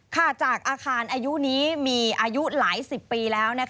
จากอาคารอายุนี้มีอายุหลายสิบปีแล้ว